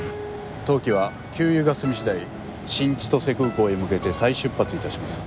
当機は給油が済み次第新千歳空港へ向けて再出発致します。